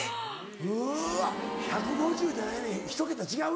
うわ１５０じゃないねん１桁違うねや。